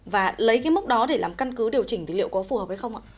và lấy cái mốc đó để làm căn cứ điều chỉnh thì liệu có phù hợp hay không ạ